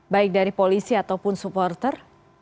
baik dari polisi ataupun supporter